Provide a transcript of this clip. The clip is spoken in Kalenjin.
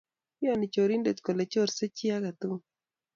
Iyaani chorindet kole chorse chii agetul